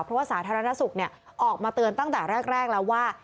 เพราะว่าสาธารณสุขออกมาเตือนตั้งแต่แรกแล้วว่า